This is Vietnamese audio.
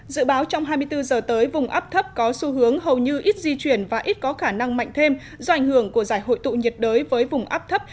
dự báo trong hai mươi bốn giờ tới vùng áp thấp có xu hướng hầu như ít di chuyển và ít có khả năng mạnh thêm do ảnh hưởng của giải hội tụ nhiệt đới với vùng áp thấp